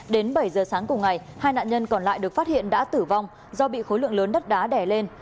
đến bảy giờ sáng cùng ngày hai nạn nhân còn lại được phát hiện đã tử vong do bị khối lượng lớn đất đá đẻ lên